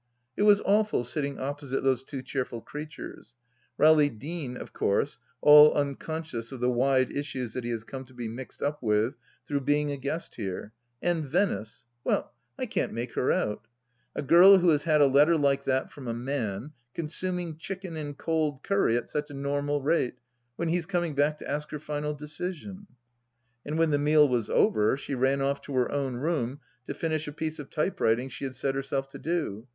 It was awful sitting opposite those two cheerful creatures. Rowley Deane, of course, all unconscious of the wide issues that he has come to be mixed up with through being a guest here, and Venice — well, I can't make her out ? A girl who has had a letter like that from a man, consuming chicken and cold curry at such a normal rate, when he is coming back to ask her final decision ! And when the meal was over she ran off to her own room to finish a piece of type writing she had set herself to do.